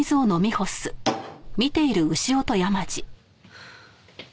はあ。